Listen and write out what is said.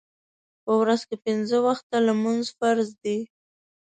په ورځ کې پنځه وخته لمونځ فرض دی